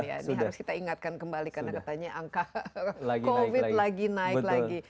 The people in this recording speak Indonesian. ini harus kita ingatkan kembali karena katanya angka covid lagi naik lagi